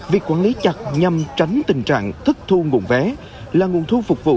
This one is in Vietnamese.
việc quản lý chặt nhằm tránh tình trạng thất thu nguồn vé là nguồn thu phục vụ